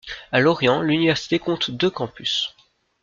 À Lorient l’université compte deux campus.